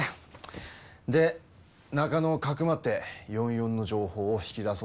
で中野をかくまって４４の情報を引き出そうって事か。